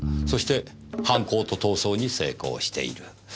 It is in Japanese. そして犯行と逃走に成功している。